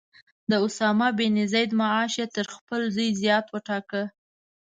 د اسامه بن زید معاش یې تر خپل زوی زیات وټاکه.